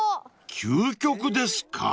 ［究極ですか］